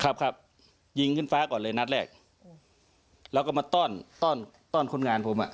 ครับครับยิงขึ้นฟ้าก่อนเลยนัดแรกแล้วก็มาต้อนต้อนต้อนคนงานผมอ่ะ